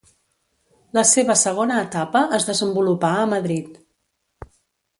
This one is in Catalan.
La seva segona etapa es desenvolupà a Madrid.